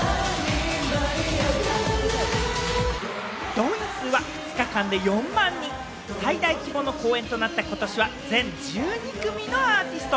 動員数は２日間で４万人、最大規模の公演となった今年は全１２組のアーティスト。